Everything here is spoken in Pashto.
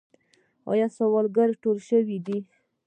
آیا سوالګر ټول شوي دي؟